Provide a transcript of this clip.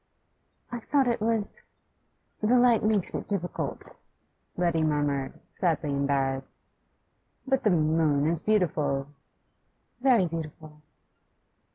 'I thought it was the light makes it difficult ' Letty murmured, sadly embarrassed. 'But the moon is beautiful.' 'Very beautiful.